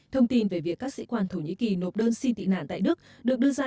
thông tin về việc các sĩ quan thổ nhĩ kỳ nộp đơn xin tị nạn tại đức được đưa ra